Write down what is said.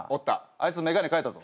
あいつ眼鏡替えたぞ。